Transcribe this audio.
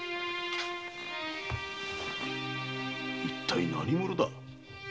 一体何者だ！？